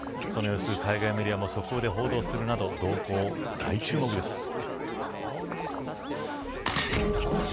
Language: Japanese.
その様子を海外メディアでも速報で報道するなど動向に大注目です。